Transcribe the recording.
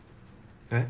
えっ？